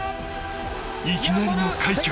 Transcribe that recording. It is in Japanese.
いきなりの快挙。